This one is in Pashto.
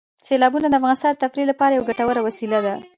سیلابونه د افغانانو د تفریح لپاره یوه ګټوره وسیله ده.